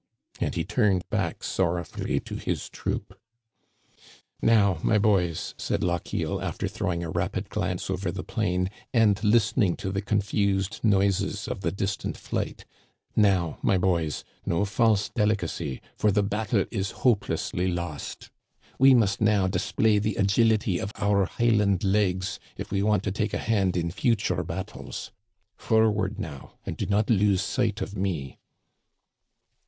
And he turned back sorrowfully to his troop. Digitized by VjOOQIC THE PLAINS OF ABRAHAM, 205 " Now, my boys," said Lochiel, after throwing a rapid glance over the plain and listening to the confused noises of the distant flight, " now, my boys, no false delicacy, for the battle is hopelessly lost. We must now display the agility of our Highland legs, if we want to take a hand in future battles. Forward now, and do not lose sight of me."